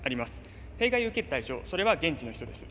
弊害を受ける対象それは現地の人です。